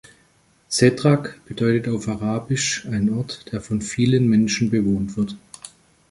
Sedrak bedeutet auf Arabisch ein Ort, der von vielen Menschen bewohnt wird.